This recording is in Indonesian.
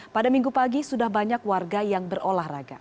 pada minggu pagi sudah banyak warga yang berolahraga